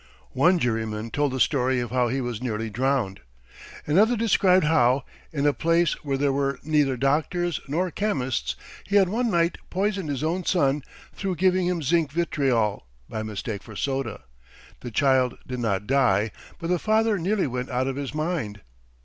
One juryman told the story of how he was nearly drowned; another described how, in a place where there were neither doctors nor chemists, he had one night poisoned his own son through giving him zinc vitriol by mistake for soda. The child did not die, but the father nearly went out of his mind.